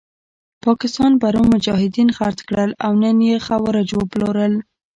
پاکستان پرون مجاهدین خرڅ کړل او نن یې خوارج وپلورل.